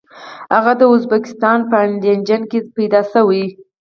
هغه د ازبکستان په اندیجان کې زیږیدلی.